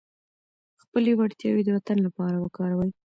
خپلې وړتیاوې د وطن لپاره وکاروئ.